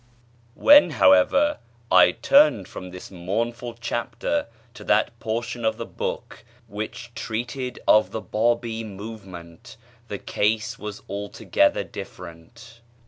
When, however, I turned from this mournful chapter to that portion of the book which treated of the Bábí movement, the case was altogether different.